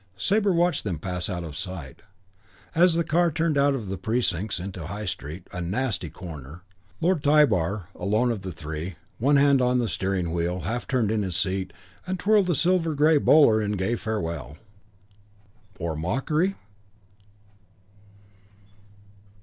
Sabre watched them pass out of sight. As the car turned out of The Precincts into High Street a nasty corner Lord Tybar, alone of the three, one hand on the steering wheel, half turned in his seat and twirled the silver grey bowler in gay farewell. Or mockery?